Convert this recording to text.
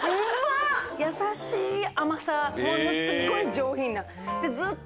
やさしい甘さものすごい上品な。